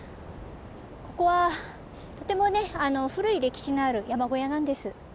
ここはとても古い歴史のある山小屋なんです。